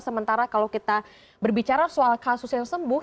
sementara kalau kita berbicara soal kasus yang sembuh